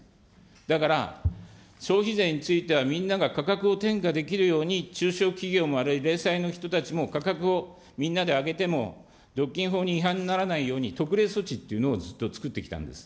だから消費税についてはみんなが価格を転嫁できるように中小企業、零細の人たちも価格をみんなで上げても独禁法に違反にならないように特例措置というのをずっと作ってきたんです。